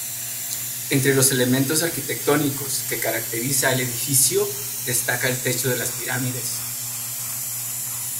Entre los elementos arquitectónicos que caracterizan el edificio, destaca el techo de pirámides.